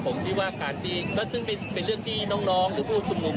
ผมคิดว่าการจริงก็ซึ่งเป็นเรื่องที่น้องหรือผู้ชุมนุม